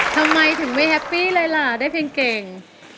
ทำไมถึงไม่แฮปปี้เลยล่ะได้เพลงเก่ง